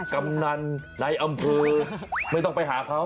กำนันในอำเภอไม่ต้องไปหาเขา